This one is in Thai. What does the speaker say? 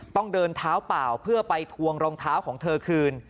ต้องเดินเท้าเปล่าเพื่อไปทวงรองเท้าของเธอคืน